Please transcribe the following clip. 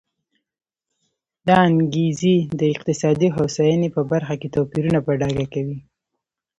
دا انګېزې د اقتصادي هوساینې په برخه کې توپیرونه په ډاګه کوي.